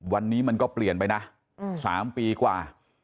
วันนี้มันก็เปลี่ยนไปนะ๓ปีกว่า